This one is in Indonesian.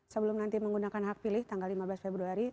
sebelum nanti menggunakan hak pilih tanggal lima belas februari